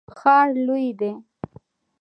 ښار لوی دی.